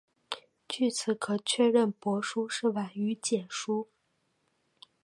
据此可确认帛书是晚于简书。